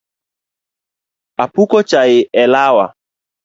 Apuko chai e lawa